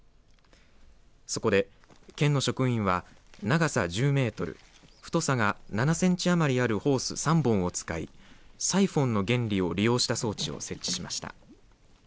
そこで県の職員は長さ１０メートル太さが７センチ余りあるホース３本を使いサイフォンの原理を利用した装置を設置しました。